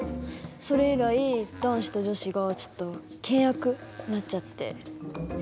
それ以来男子と女子がちょっと険悪になっちゃって。